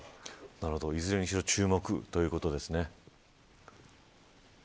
いずれにしろ注目ということですね。